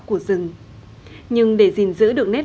của những con người sống trên núi đá này được bay xa